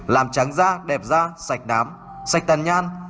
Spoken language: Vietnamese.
làm tráng da đẹp da sạch đám sạch tàn nhan